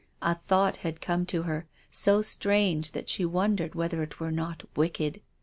A thought had come to her, so strange that she wondered whether it were not wicked.